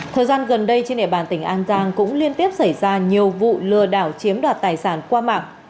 thời gian gần đây trên địa bàn tỉnh an giang cũng liên tiếp xảy ra nhiều vụ lừa đảo chiếm đoạt tài sản qua mạng